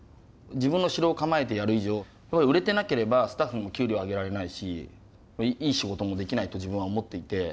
自分の城を構えてやる以上売れてなければスタッフにも給料あげられないしいい仕事もできないと自分は思っていて。